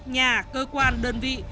nhà cơ quan đơn vị